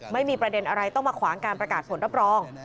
ไม่มีประเด็นอะไรต้องมาขวางการประกาศผลรับรอง